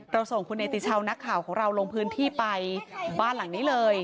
ส่งคุณเนติชาวนักข่าวของเราลงพื้นที่ไปบ้านหลังนี้เลย